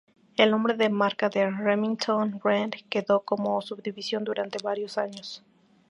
El nombre de marca de "Remington Rand" quedó como subdivisión durante varios años.